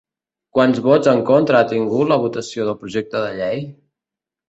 Quants vots en contra ha tingut la votació del projecte de llei?